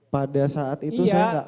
pada saat itu saya tidak